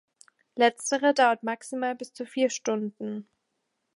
Letztere dauert maximal bis zu vier Stunden.